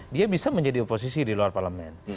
dia bisa menjadi oposisi di luar parlemen